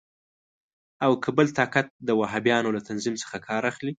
او که بل طاقت د وهابیانو له تنظیم څخه کار اخلي.